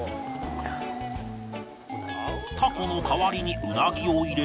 タコの代わりにウナギを入れて